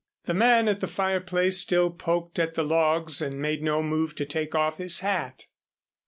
The man at the fireplace still poked at the logs and made no move to take off his hat.